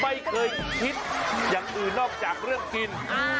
ไม่เคยคิดอย่างอื่นนอกจากเรื่องกิน